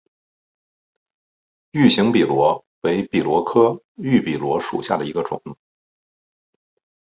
芋形笔螺为笔螺科芋笔螺属下的一个种。